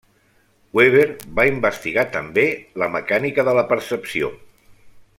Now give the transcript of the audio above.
Weber va investigar també la mecànica de la percepció.